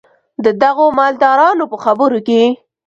د دغو مالدارانو په خبرو کې.